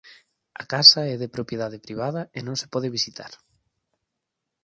A casa é de propiedade privada e non se pode visitar.